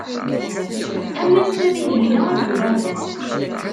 Am wass-a di lehna ad d-uɣalen.